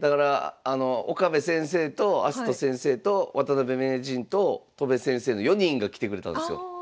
だから岡部先生と明日斗先生と渡辺名人と戸辺先生の４人が来てくれたんですよ。